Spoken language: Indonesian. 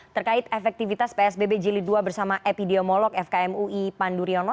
terkait efektivitas psbb jili dua bersama epidemiolog fkm ui panduriono